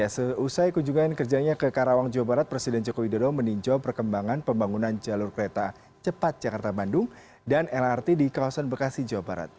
seusai kunjungan kerjanya ke karawang jawa barat presiden joko widodo meninjau perkembangan pembangunan jalur kereta cepat jakarta bandung dan lrt di kawasan bekasi jawa barat